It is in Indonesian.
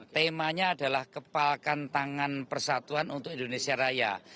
temanya adalah kepalkan tangan persatuan untuk indonesia raya